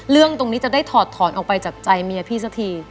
เรื่องตรงนี้จะได้ถอดถอนออกไปจากใจเมียพี่สักที